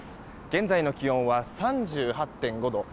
現在の気温は３８．５度。